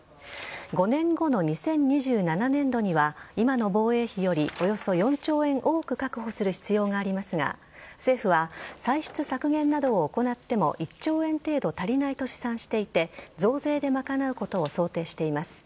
５年後の２０２７年度には今の防衛費よりおよそ４兆円多く確保する必要がありますが政府は歳出削減などを行っても１兆円程度足りないと試算していて増税で賄うことを想定しています。